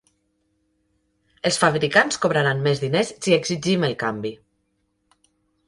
Els fabricants cobraran més diners si exigim el canvi.